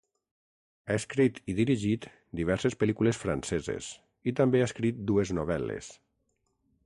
Ha escrit i dirigit diverses pel·lícules franceses i també ha escrit dues novel·les.